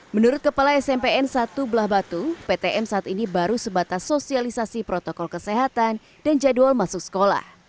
menurut kepala smpn satu belah batu ptm saat ini baru sebatas sosialisasi protokol kesehatan dan jadwal masuk sekolah